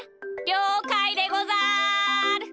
りょうかいでござる！